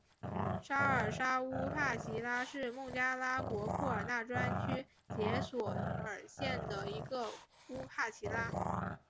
沙尔沙乌帕齐拉是孟加拉国库尔纳专区杰索尔县的一个乌帕齐拉。